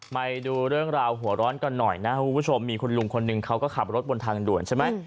ไปดูเรื่องราวหัวร้อนกันหน่อยนะครับคุณผู้ชมมีคุณลุงคนหนึ่งเขาก็ขับรถบนทางด่วนใช่ไหม